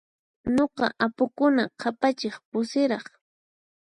Nuqa apukuna q'apachiq pusiraq.